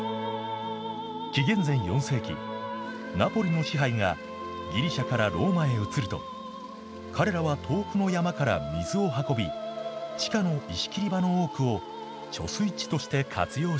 紀元前４世紀ナポリの支配がギリシャからローマへ移ると彼らは遠くの山から水を運び地下の石切り場の多くを貯水池として活用しました。